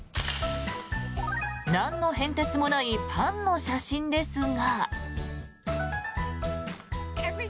なんの変哲もないパンの写真ですが。